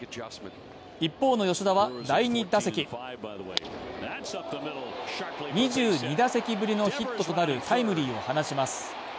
一方の吉田は、第２打席２２打席ぶりのヒットとなるタイムリーを放ちます